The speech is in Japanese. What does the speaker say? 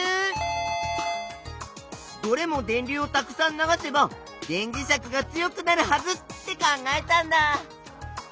どれも電流をたくさん流せば電磁石が強くなるはずって考えたんだ！